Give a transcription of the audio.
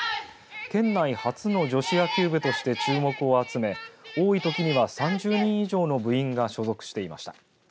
県内初の女子野球部として注目を集め多いときには３０人以上の部員が所属していました。